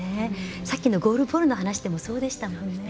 さっきのゴールボールの話でもそうでしたもんね。